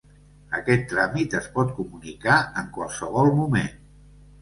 Aquest tràmit es pot comunicar en qualsevol moment.